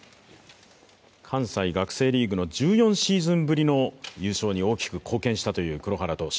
関西学生リーグの１４シーズンぶりの優勝に大きく貢献したという黒原投手。